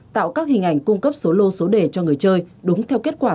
tạo các hình ảnh cung cấp số lô số đề cho người chơi đúng theo kết quả